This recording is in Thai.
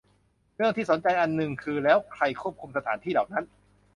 เรื่องที่สนใจอันนึงคือ แล้วใครควบคุมสถานที่เหล่านั้น